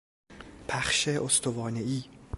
پخش استوانهای